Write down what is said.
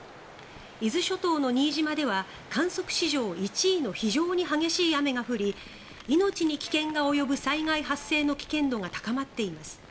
伊豆諸島の新島では観測史上１位の非常に激しい雨が降り命に危険が及ぶ災害発生の危険度が高まっています。